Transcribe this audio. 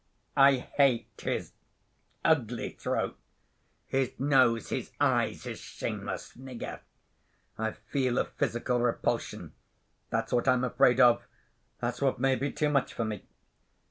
I hate his ugly throat, his nose, his eyes, his shameless snigger. I feel a physical repulsion. That's what I'm afraid of. That's what may be too much for me."